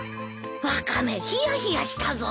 ワカメヒヤヒヤしたぞ。